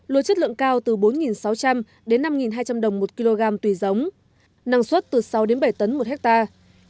lúa chất lượng cao từ bốn sáu trăm linh đến năm hai trăm linh đồng một kg tùy giống năng suất từ sáu đến bảy tấn một hectare